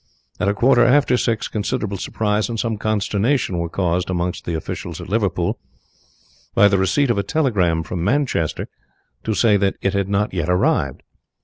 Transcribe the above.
At a quarter after six considerable surprise and some consternation were caused amongst the officials at Liverpool by the receipt of a telegram from Manchester to say that it had not yet arrived.